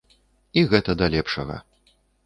І гэта да лепшага.